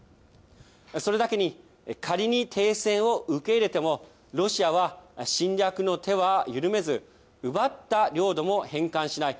それだけに仮に停戦を受け入れても、ロシアは侵略の手は緩めず、奪った領土も返還しない。